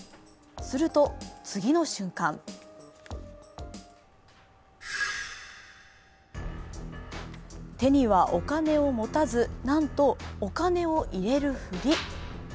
すると、次の瞬間手にはお金を持たず、なんとお金を入れるふり。